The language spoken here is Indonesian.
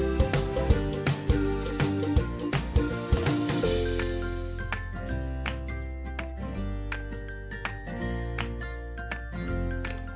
jadi kita akan buat satu ini